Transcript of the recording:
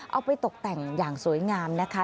เอาไปตกแต่งอย่างสวยงามนะคะ